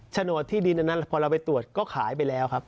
โดดที่ดินอันนั้นพอเราไปตรวจก็ขายไปแล้วครับ